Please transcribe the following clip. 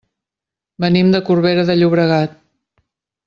Venim de Corbera de Llobregat.